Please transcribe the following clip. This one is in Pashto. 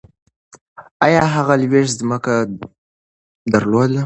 ایا هغه لویشت ځمکه درلوده؟